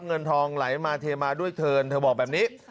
เงินทองไหลมาเทมาด้วยเทินเธอบอกแบบนี้